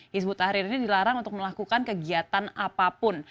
hizbut tahrir ini dilarang untuk melakukan kegiatan apapun